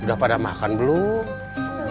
udah pada makan belum